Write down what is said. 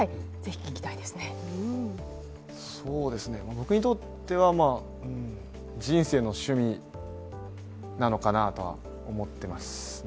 僕にとっては、人生の趣味なのかなとは思ってますね。